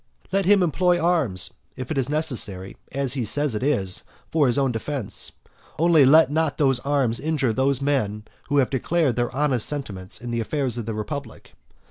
Let him employ arms, if it is necessary, as he says it is, for his own defence: only let not those arms injure those men who have declared their honest sentiments in the affairs of the republic.